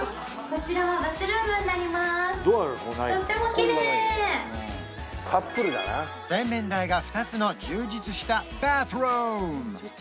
こちらは洗面台が２つの充実したバスルーム